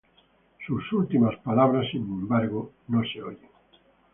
Sus últimas palabras, sin embargo, no se oyen.